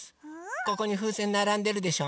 ここにふうせんならんでるでしょ？